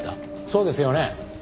そうですよね？